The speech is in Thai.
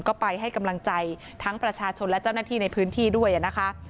ก็ไปให้กำลังใจทั้งประชาชนและเจ้าหน้าที่ในพื้นที่ด้วยนะคะ